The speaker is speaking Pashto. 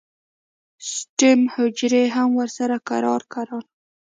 سټیم حجرې هم ورسره کرار کرار